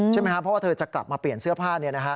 ใช่ไหมครับเพราะว่าเธอจะกลับมาเปลี่ยนเสื้อผ้า